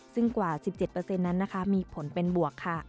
ซึ่งกว่า๑๗นั้นมีผลเป็นบวก